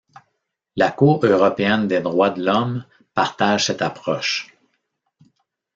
La Cour européenne des droits de l'homme partage cette approche.